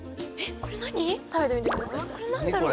これ何だろう？